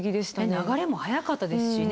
流れも速かったですしね